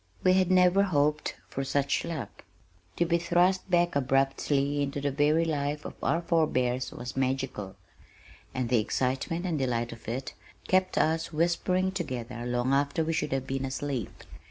We had never hoped for such luck. To be thrust back abruptly into the very life of our forebears was magical, and the excitement and delight of it kept us whispering together long after we should have been asleep.